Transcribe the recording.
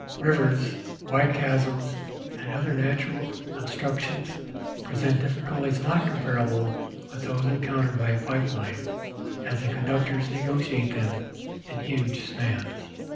Rivers, wide chasms, and other natural obstructions present difficulties not comparable with those encountered by a pipe line, as the con ductors negotiate them in huge spans.